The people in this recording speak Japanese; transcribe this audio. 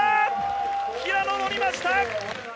平野、乗りました！